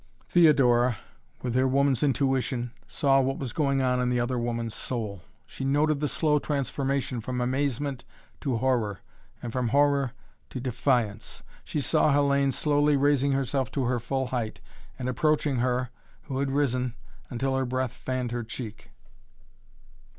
Theodora, with her woman's intuition, saw what was going on in the other woman's soul. She noted the slow transformation from amazement to horror, and from horror to defiance. She saw Hellayne slowly raising herself to her full height, and approaching her, who had risen, until her breath fanned her cheek.